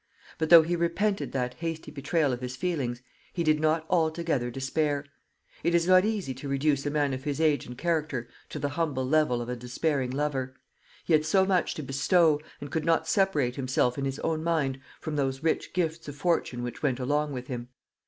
But, though he repented that hasty betrayal of his feelings, he did not altogether despair. It is not easy to reduce a man of his age and character to the humble level of a despairing lover. He had so much to bestow, and could not separate himself in his own mind from those rich gifts of fortune which went along with him.